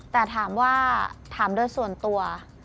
แต่ถามว่าถามโดยส่วนตัว